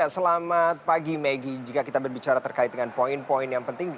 selamat pagi maggie jika kita berbicara terkait dengan poin poin yang penting